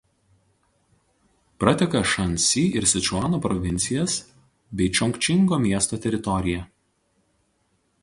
Prateka Šaansi ir Sičuano provincijas bei Čongčingo miesto teritoriją.